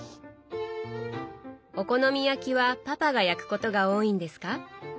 お好み焼きはパパが焼くことが多いんですか？